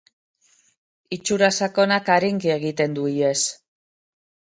Itxura sakonak arinki egiten du ihes.